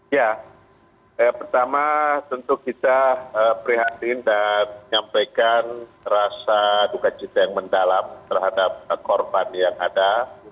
ya pertama tentu kita prihatin dan menyampaikan rasa duka cita yang mendalam terhadap korban yang ada